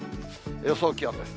予想気温です。